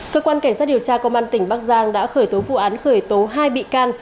cơ quan cảnh sát điều tra công an tỉnh bắc giang đã khởi tố vụ án khởi tố hai bị can